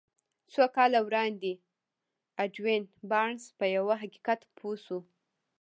څو کاله وړاندې ايډوين بارنس په يوه حقيقت پوه شو.